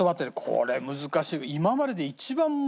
これ難しい。